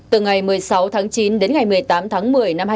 từ ngày một mươi sáu tháng chín đến ngày một mươi tám tháng một mươi